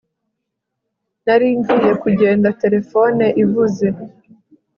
Nari ngiye kugenda telefone ivuze